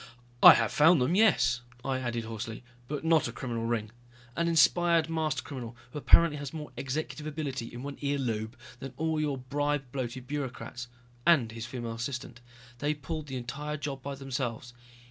"I have found them, yes," I said hoarsely. "But not a criminal ring. An inspired master criminal who apparently has more executive ability in one ear lobe than all your bribe bloated bureaucrats and his female assistant. They pulled the entire job by themselves.